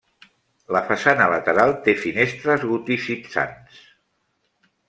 La façana lateral té finestres goticitzants.